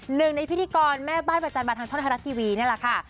หนึ่งในพิธีกรแม่บ้านประจำบานทางช่องไทยรัฐทีวีนี่แหละค่ะ